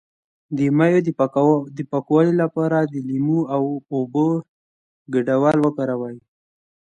د میوو د پاکوالي لپاره د لیمو او اوبو ګډول وکاروئ